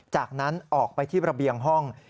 จากนั้นออกไปที่ระเบียงห้อง